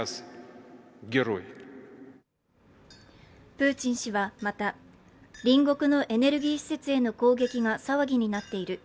プーチン氏はまた、隣国のエネルギー施設への攻撃が騒ぎになっている。